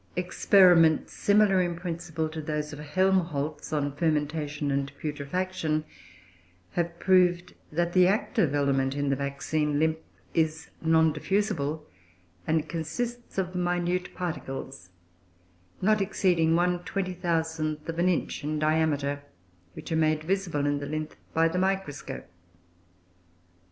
Experiments, similar in principle to those of Helmholtz on fermentation and putrefaction, have proved that the active element in the vaccine lymph is non diffusible, and consists of minute particles not exceeding 1/20000th of an inch in diameter, which are made visible in the lymph by the microscope.